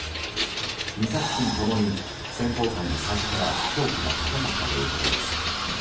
２作品共に選考会の最初から評価が高かったということです。